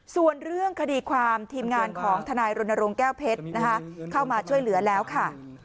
ส่วนเรื่องคดีความทีมงานของทนายรณรงค์แก้วเพชรเข้ามาช่วยเหลือแล้วค่ะ